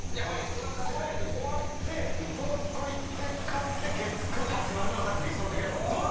これ終わってトロッコ行って勝って月９始まるのがたぶん理想的だと思うんです。